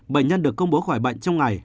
bệnh nhân được công bố khỏi bệnh trong ngày